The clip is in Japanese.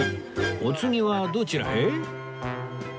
お次はどちらへ？